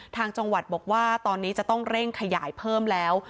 ทางจังหวัดบอกว่าตอนนี้จะต้องเร่งขยายเพิ่มแล้ว